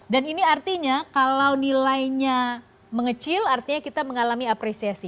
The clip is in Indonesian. dan ini artinya kalau nilainya mengecil artinya kita mengalami apresiasi